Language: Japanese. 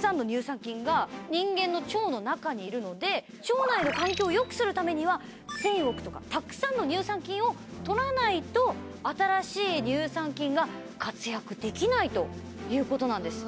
これだけ。にいるので腸内の環境を良くするためには１０００億とかたくさんの乳酸菌を取らないと新しい乳酸菌が活躍できないということなんです。